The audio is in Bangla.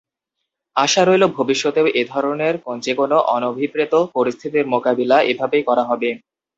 আশা রইল ভবিষ্যতেও এ ধরনের যেকোনো অনভিপ্রেত পরিস্থিতির মোকাবিলা এভাবেই করা হবে।